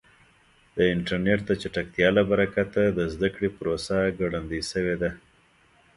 د انټرنیټ د چټکتیا له برکته د زده کړې پروسه ګړندۍ شوې ده.